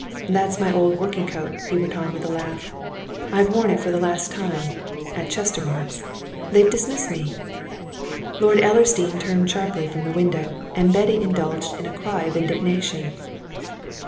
"That's my old working coat," he went on, with a laugh. "I've worn it for the last time at Chestermarke's. They've dismissed me." Lord Ellersdeane turned sharply from the window, and Betty indulged in a cry of indignation.